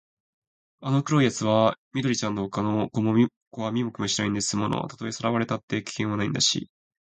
あの黒いやつは緑ちゃんのほかの子は見向きもしないんですもの。たとえさらわれたって、危険はないんだし、